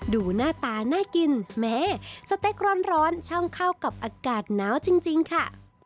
ดูหน้าตาน่ากินแม้สเต็กร้อนช่างเข้ากับอากาศหนาวจริงค่ะ